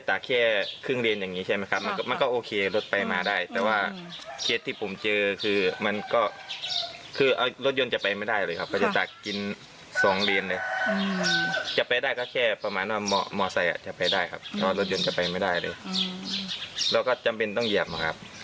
ที่นี่ใครอยากเหยียบข้าวคนเหรอครับ